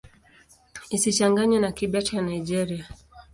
Isichanganywe na Kibete ya Nigeria.